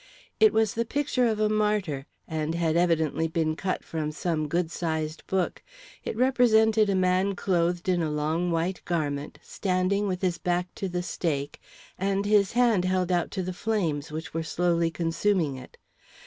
It was the picture of a martyr, and had evidently been cut from some good sized book. It represented a man clothed in a long white garment, standing with his back to the stake, and his hand held out to the flames, which were slowly consuming it.